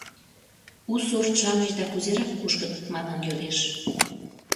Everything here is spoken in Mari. У сорт-шамычда кузерак кушкыт, манын йодеш.